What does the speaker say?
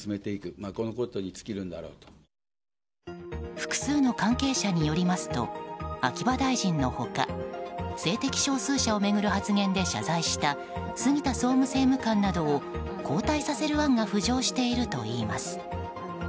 複数の関係者によりますと秋葉大臣の他性的少数者を巡る発言で謝罪した杉田総務政務官などを交代させる案が浮上しているといいます。